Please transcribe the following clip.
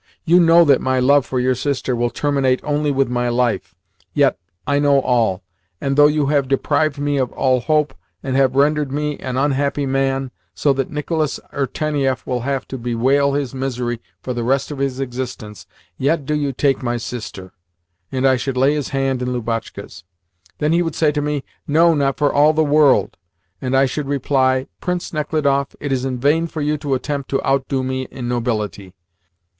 You know that my love for your sister will terminate only with my life. Yet I know all; and though you have deprived me of all hope, and have rendered me an unhappy man, so that Nicolas Irtenieff will have to bewail his misery for the rest of his existence, yet do you take my sister,' and I should lay his hand in Lubotshka's. Then he would say to me, 'No, not for all the world!' and I should reply, 'Prince Nechludoff, it is in vain for you to attempt to outdo me in nobility.